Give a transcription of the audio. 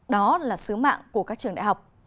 đó là sứ mạng của các trường đại học